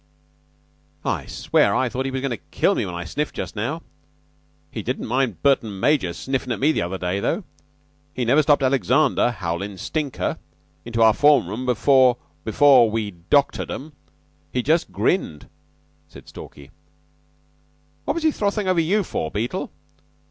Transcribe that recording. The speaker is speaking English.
"I swear I thought he was goin' to kill me when I sniffed just now. He didn't mind Burton major sniffin' at me the other day, though. He never stopped Alexander howlin' 'Stinker!' into our form room before before we doctored 'em. He just grinned," said Stalky. "What was he frothing over you for, Beetle?"